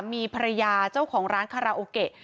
มีภรรยาเจ้าของร้านคาราโอเกะ